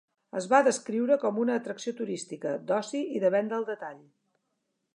Es va descriure com una atracció turística, d'oci i de venda al detall.